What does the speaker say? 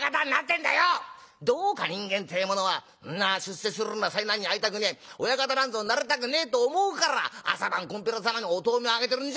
どうか人間ってえものはんな出世するような災難に遭いたくねえ親方なんぞになりたくねえと思うから朝晩こんぴら様にお灯明あげてるんじゃねえか。